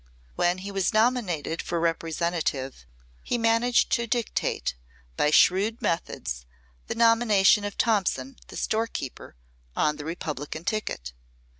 When he was nominated for Representative he managed to dictate, by shrewd methods, the nomination of Thompson, the store keeper, on the Republican ticket.